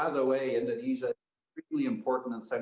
yang kelima adalah perkembangan konsumen